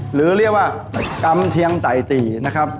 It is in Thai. หรือเรียกว่ากำเทียงไต่ตีนะครับ